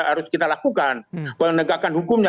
harus kita lakukan penegakan hukumnya